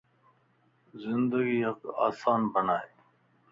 زندگي يڪ آسان بنائي